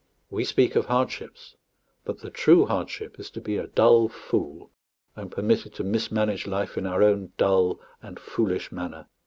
We speak of hardships, but the true hardship is to be a dull fool, and permitted to mismanage life in our own dull and foolish manner.